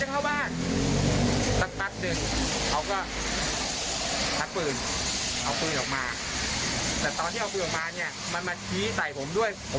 โชนตูดกันวิ่งทางตรงเลยมาโชนตูดใช่มั้ย